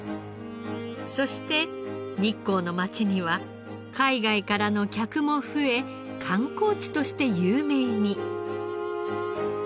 そして日光の街には海外からの客も増え観光地として有名に。